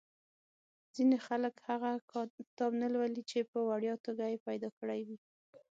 ځینې خلک هغه کتاب نه لولي چې په وړیا توګه یې پیدا کړی وي.